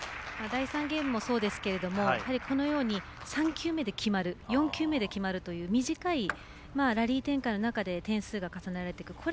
第３ゲームもそうですけどこのように３球目で決まる４球目で決まるという短いラリー展開の中で点数が重ねられていく。